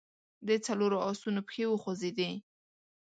د څلورو آسونو پښې وخوځېدې.